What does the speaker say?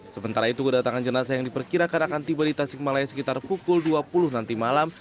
sementara itu kedatangan jenazah yang diperkirakan akan tiba di tasikmalaya sekitar pukul dua puluh nanti malam